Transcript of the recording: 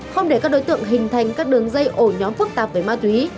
không để các đối tượng hình thành các đường dây ổ nhóm phức tạp về ma túy